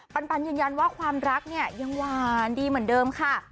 ปันยืนยันว่าความรักเนี่ยยังหวานดีเหมือนเดิมค่ะ